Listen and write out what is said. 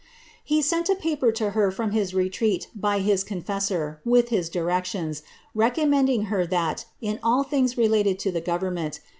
He lent a paper to her from his retreat by his confessor, with his directions, vccommending her that, in all things relating to the government, she __^> MS.